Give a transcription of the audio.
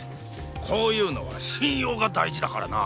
こういうのは信用が大事だからな！